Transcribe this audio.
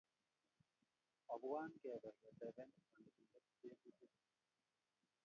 Opwan kebe ketebe kanetindet tyebutik